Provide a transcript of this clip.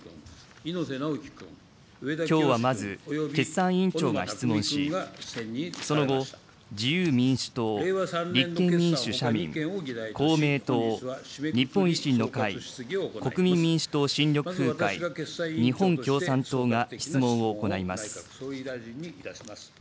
きょうはまず、決算委員長が質問し、その後、自由民主党、立憲民主・社民、公明党、日本維新の会、国民民主党・新緑風会、日本共産党が質問を行います。